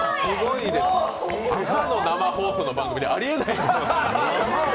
朝の生放送の番組でありえないことです。